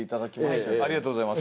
ありがとうございます。